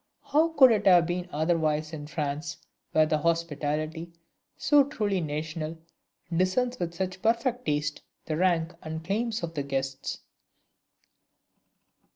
How could it have been otherwise in France, where the hospitality, so truly national, discerns with such perfect taste the rank and claims of the guests?